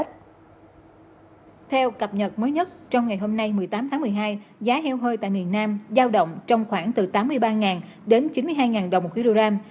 theo cập nhật mới nhất trong ngày hôm nay một mươi tám tháng một mươi hai giá heo hơi tại miền nam giao động trong khoảng từ tám mươi ba đến chín mươi hai đồng một kg